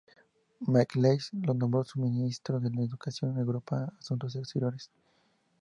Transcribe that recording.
McLeish lo nombró su Ministro de Educación, Europa y Asuntos Exteriores.